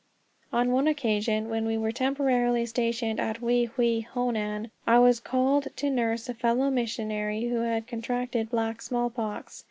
On one occasion, while we were temporarily stationed at Wei Hwei, Honan, I was called to nurse a fellow missionary who had contracted black smallpox.